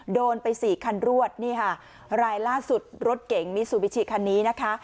โดนไปสี่คันรวดนี่ค่ะรายล่าสุดรถเก๋งมิซูบิชิคันนี้นะคะ